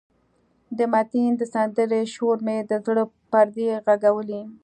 د متین د سندرې شور مې د زړه پردې غږولې.